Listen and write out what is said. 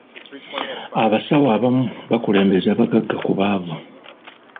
Abasawo abamu bakulembeza bagagga ku baavu.